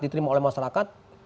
diterima oleh masyarakat